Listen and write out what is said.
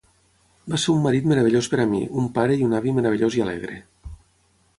Va ser un marit meravellós per a mi, un pare i un avi meravellós i alegre.